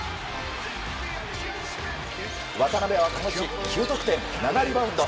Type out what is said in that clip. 渡邊はこの試合９得点７リバウンド。